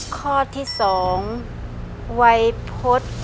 ข้อที่๒วัยพฤษ